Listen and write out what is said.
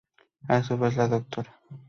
A su vez, la Dra.